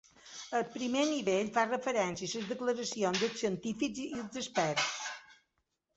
El primer nivell fa referència a les declaracions dels científics i els experts.